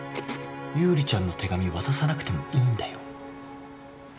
優里ちゃんの手紙渡さなくてもいいんだよ？早くやって！